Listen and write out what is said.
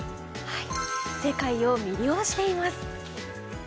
世界を魅了しています。